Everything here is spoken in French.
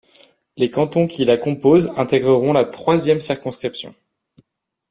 Les cantons qui la composent intégreront la troisième circonscription.